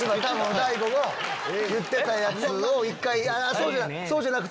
大悟が言ってたやつを「いやそうじゃなくて」